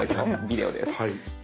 ビデオです。